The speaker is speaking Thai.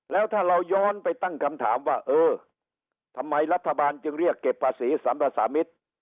แล้วถ้าเราย้อนไปตั้งคำถามว่าเออทำไมรัฐบาลจึงเรียกเก็บภาษีสัมภาษามิตร